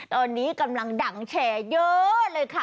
ตอนนี้กำลังดังแชร์เยอะเลยค่ะ